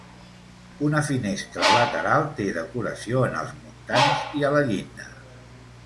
Una finestra lateral té decoració en els muntants i a la llinda.